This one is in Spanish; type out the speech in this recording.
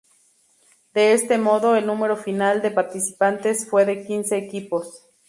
De este modo, el número final de participantes fue de quince equipos.